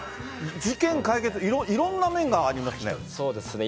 事件解決、いろんな面がありますね。